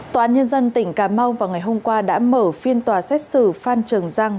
tòa án nhân dân tỉnh cà mau vào ngày hôm qua đã mở phiên tòa xét xử phan trường giang